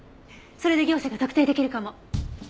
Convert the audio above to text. それで業者が特定できるかも。